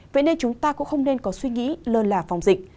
vậy nên chúng ta cũng không nên có suy nghĩ lơ là phòng dịch